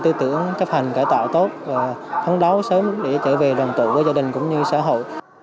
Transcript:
tư tưởng chấp hành cải tạo tốt và phấn đấu sớm để trở về đoàn tụ với gia đình cũng như xã hội